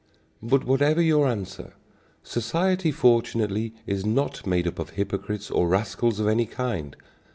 But, whatever your answer, society fortunately is not made up of hypocrites or rascals of any kind.